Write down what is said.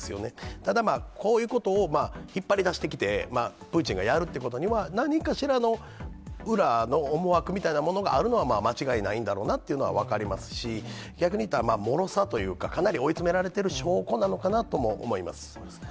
ただこういうことを引っ張り出してきて、プーチンがやるということの、何かしらの裏の思惑みたいなものがあるのは間違いないんだろうなっていうのは分かりますし、逆に言ったら、もろさというか、かなり追い詰められている証拠なのかなとも思います。